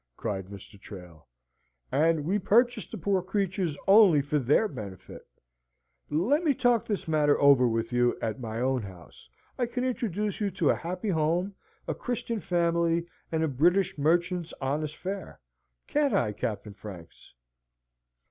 cried Mr. Trail. "And we purchase the poor creatures only for their benefit; let me talk this matter over with you at my own house. I can introduce you to a happy home, a Christian family, and a British merchant's honest fare. Can't I, Captain Franks?"